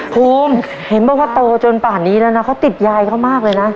ภูมิเห็นบอกว่าโตจนป่านนี้แล้วนะเขาติดยายเขามากเลยนะ